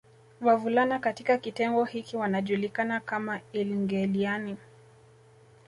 Wavulana katika kitengo hiki wanajulikana kama Ilngeeliani